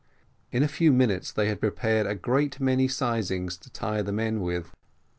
In a few minutes they had prepared a great many seizings to tie the men with.